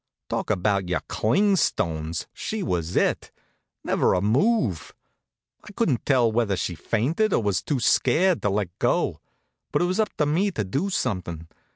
Talk about your cling stones! She was it. Never a move. I couldn't tell whether she'd fainted, or was too scared to let go. But it was up to me to do something.